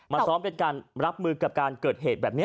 ซ้อมเป็นการรับมือกับการเกิดเหตุแบบนี้